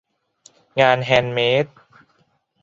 งานแฮนด์เมด